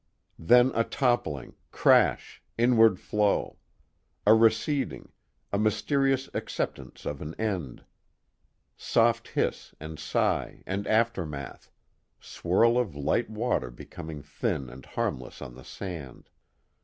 Then a toppling, crash, inward flow. A receding; a mysterious acceptance of an end, soft hiss and sigh and aftermath, swirl of light water become thin and harmless on the sand.